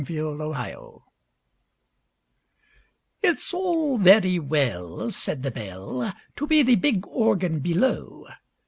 It's all very well, Said the Bell, To be the big Organ below!